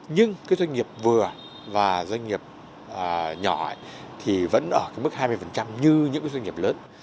nhưng cái doanh nghiệp vừa và doanh nghiệp nhỏ thì vẫn ở cái mức hai mươi như những cái doanh nghiệp lớn